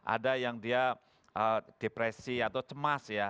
ada yang dia depresi atau cemas ya